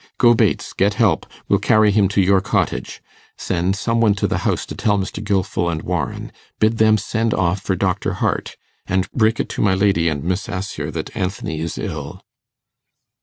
'Go, Bates, get help; we'll carry him to your cottage. Send some one to the house to tell Mr. Gilfil and Warren. Bid them send off for Doctor Hart, and break it to my lady and Miss Assher that Anthony is ill.